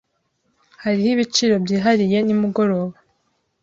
Hariho ibiciro byihariye nimugoroba?